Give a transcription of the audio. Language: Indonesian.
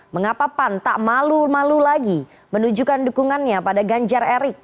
mengapa pan tak malu malu lagi menunjukkan dukungannya pada ganjar erik